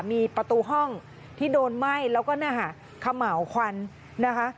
มีประตูห้องที่โดนไม่แล้วก็ขม่าวควันนะคะ